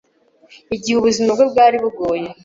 Igihe ubuzima bwe bwari bugoye